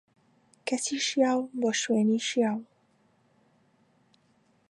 کەسی شیاو، بۆ شوێنی شیاو.